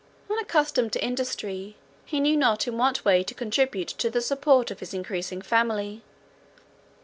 Unaccustomed to industry, he knew not in what way to contribute to the support of his increasing family.